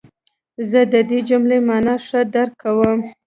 زه د دې جملې مانا ښه درک کوم.